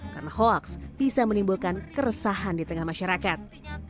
karena hoaks bisa menimbulkan keresahan di tengah masyarakat